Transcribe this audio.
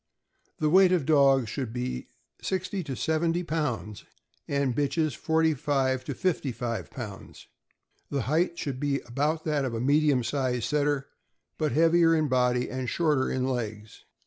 The weight of dogs should be sixty to seventy pounds, and of bitches, forty five to fifty five pounds. The height should be about that of a medium sized Setter, but heavier in body and shorter in legs.